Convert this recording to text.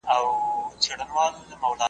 تور مولوي به په شیطانه ژبه .